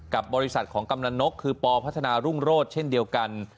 กับบริษัทของกำนันนกคือปพัฒนารุ่งโรศเช่นเดียวกัน